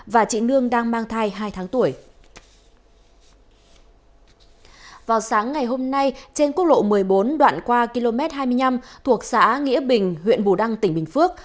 vào sáng ngày hôm nay trên quốc lộ một mươi bốn đoạn qua km hai mươi năm thuộc xã nghĩa bình huyện bù đăng tỉnh bình phước